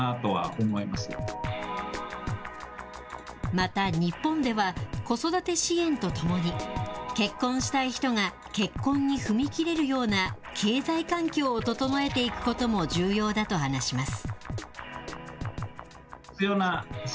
また日本では、子育て支援とともに、結婚したい人が結婚に踏み切れるような経済環境を整えていくことも重要だと話します。